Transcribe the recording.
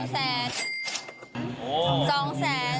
แล้วก็จริง๓แสน